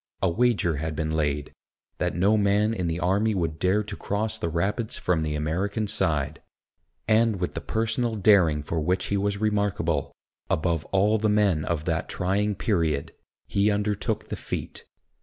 A wager had been laid, that no man in the army would dare to cross the Rapids from the American side; and with the personal daring for which he was remarkable, above all the men of that trying period, he undertook the feat.